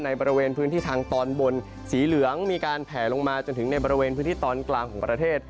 บริเวณพื้นที่ทางตอนบนสีเหลืองมีการแผลลงมาจนถึงในบริเวณพื้นที่ตอนกลางของประเทศ